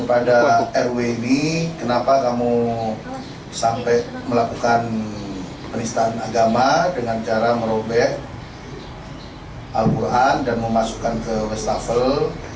saya lakukan penistaan agama dengan cara merobet al quran dan memasukkan ke westafel